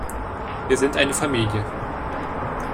Wir sind eine Familie.